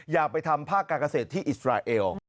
อยากไปทำภาคการเกษตรที่อิสราเอล